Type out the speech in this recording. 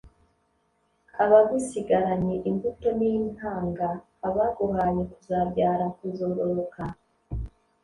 abagusigaranye imbuto n’intanga: abaguhaye kuzabyara, kuzororoka